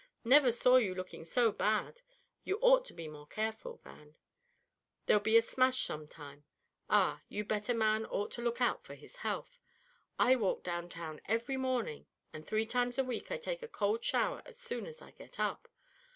"Never saw you looking so bad; you ought to be more careful, Van; there'll be a smash some time. Ah, you bet a man ought to look out for his health. I walk downtown every morning, and three times a week I take a cold shower as soon as I get up.